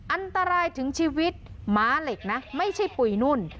อันตรายถึงชีวิตม้าเหล็กนะไม่ใช่ปุ๋ยนุ่น